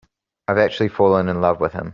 I've actually fallen in love with him.